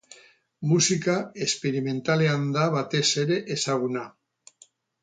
Musika esperimentalean da batez ere ezaguna.